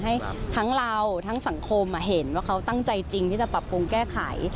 ให้ทั้งเราทั้งสังคมเห็นว่าเขาตั้งใจจริงที่จะปรับปรุงแก้ไข